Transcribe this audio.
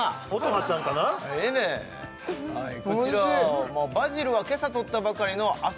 はいこちらはバジルは今朝とったばかりの朝